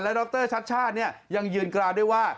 แล้วดรชัชชาตินี่ยังยืนกราบด้วยว่า